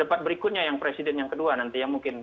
debat berikutnya yang presiden yang kedua nanti